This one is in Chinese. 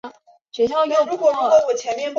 田纳西级战列舰是美国建造的一种战列舰。